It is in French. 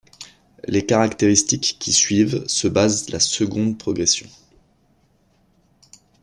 Les caractéristiques qui suivent se basent la seconde progression.